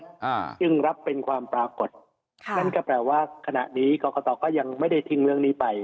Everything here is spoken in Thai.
อ่าซึ่งรับเป็นความปรากฏค่ะนั่นก็แปลว่าขณะนี้กรกตก็ยังไม่ได้ทิ้งเรื่องนี้ไป